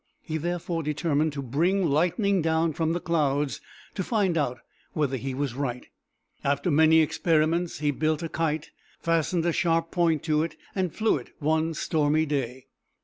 He therefore determined to bring lightning down from the clouds, to find out whether he was right. After many experiments, he built a kite, fastened a sharp point to it, and flew it one stormy day.